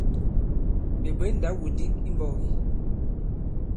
Ɓè bwě ndaw-wudǐk i mbɔ̄k ì ?